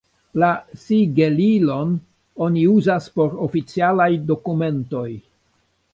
La sigelilon oni uzas por oficialaj dokumentoj.